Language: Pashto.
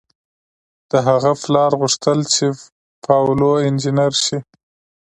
د هغه پلار غوښتل چې پاولو انجنیر شي.